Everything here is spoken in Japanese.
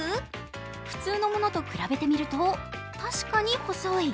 普通のものと比べてみると確かに細い。